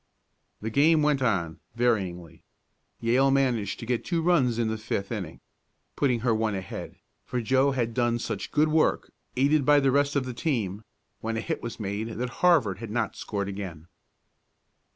The game went on, varyingly. Yale managed to get two runs in the fifth inning, putting her one ahead, for Joe had done such good work, aided by the rest of the team, when a hit was made, that Harvard had not scored again.